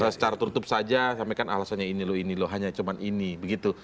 secara tertutup saja sampaikan alasannya ini loh ini loh hanya cuma ini begitu